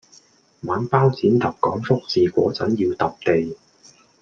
玩包揼講福字果陣要揼地